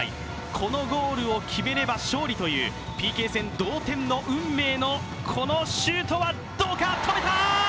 このゴールを決めれば勝利というＰＫ戦、同点の運命のこのシュートはどうか、止めた！